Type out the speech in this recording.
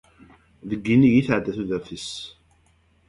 Deg yinig i tɛedda tudert-is.